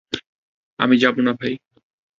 আমি যাবো না ভাই।